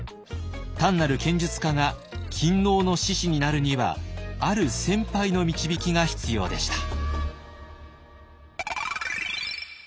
単なる剣術家が勤王の志士になるにはある先輩の導きが必要でした。